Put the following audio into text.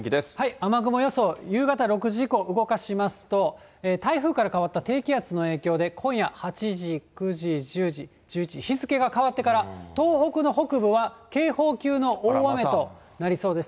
雨雲予想、夕方６時以降、動かしますと、台風から変わった低気圧の影響で、今夜８時、９時、１０時、１１時、日付が変わってから、東北の北部は警報級の大雨となりそうです。